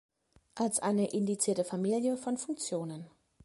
als eine indizierte Familie von Funktionen.